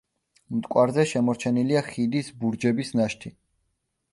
მტკვარზე შემორჩენილია ხიდის ბურჯების ნაშთი.